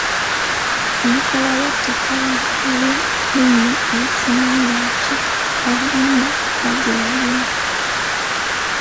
Enkola y’ettaka lya mayiro mbi nnyo era simanyi lwaki Abaganda bagiwagira.